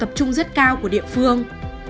sự tập trung rất cao của địa phương